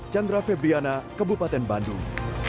chandra febriana kabupaten bandung